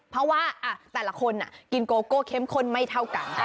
เพราะว่าแต่ละคนกินโกโก้เข้มข้นไม่เท่ากัน